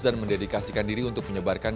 dan mendedikasikan diri untuk menyebarkan